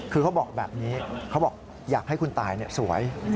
คือเขาบอกแบบนี้เขาบอกอยากให้คุณตายสวย